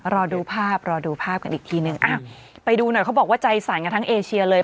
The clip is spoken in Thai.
รอดูภาพรอดูภาพกันอีกทีหนึ่งอ้าวไปดูหน่อยเขาบอกว่าใจสั่นกันทั้งเอเชียเลย